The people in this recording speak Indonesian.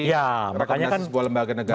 maka rekomendasi sebuah lembaga negara